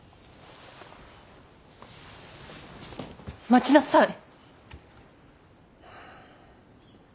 待ちなさい。